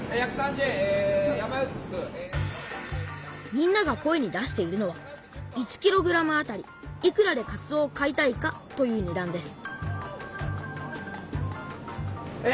みんなが声に出しているのは「１ｋｇあたりいくらでかつおを買いたいか」というねだんです